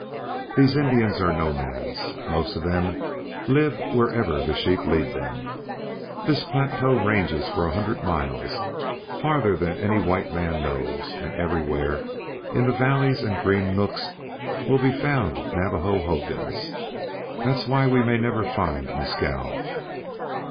These Indians are nomads. Most of them live wherever the sheep lead them. This plateau ranges for a hundred miles, farther than any white man knows, and everywhere, in the valleys and green nooks, will be found Navajo hogans. That's why we may never find Mescal."